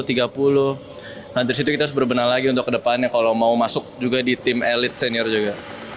nah dari situ kita harus berbenah lagi untuk kedepannya kalau mau masuk juga di tim elit senior juga